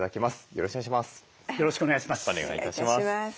よろしくお願いします。